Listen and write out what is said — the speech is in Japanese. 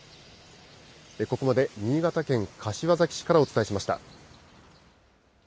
ここまで新潟県柏崎市からお伝えしました。